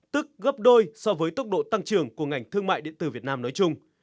tức gấp đôi so với tốc độ tăng trưởng của ngành thương mại điện tử việt nam nói chung